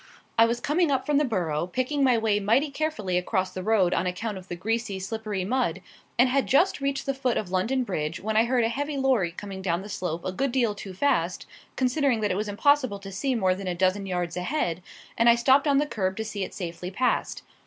I was coming up from the Borough, picking my way mighty carefully across the road on account of the greasy, slippery mud, and had just reached the foot of London Bridge when I heard a heavy lorry coming down the slope a good deal too fast, considering that it was impossible to see more than a dozen yards ahead, and I stopped on the kerb to see it safely past.